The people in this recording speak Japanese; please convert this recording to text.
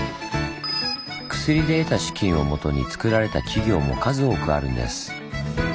薬で得た資金をもとにつくられた企業も数多くあるんです。